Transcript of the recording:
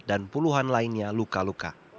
dan puluhan lainnya luka luka